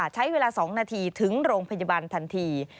ใช้เวลา๒นาทีถึงโรงพยาบาลทันที